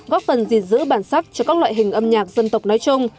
góp phần gìn giữ bản sắc cho các loại hình âm nhạc dân tộc nói chung